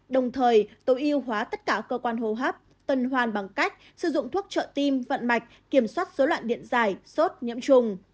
đồng thời tổ yêu hóa tất cả cơ quan hô hấp tân hoan bằng cách sử dụng thuốc trợ tim vận mạch kiểm soát số loạn điện dài sốt nhiễm trùng